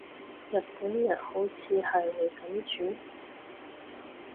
日本人好似係會噉煮